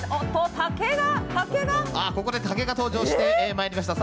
ここで竹が登場してまいりました。